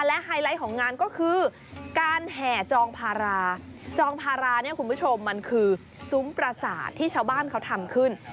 และไฮไลท์ของงานก็คือการแห่จองพาราจองพาราเนี่ยคุณผู้ชมมันคือซุ้มประสาทที่ชาวบ้านเขาทำขึ้น